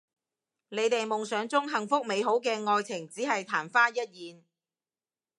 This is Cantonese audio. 你哋夢想中幸福美好嘅愛情只係曇花一現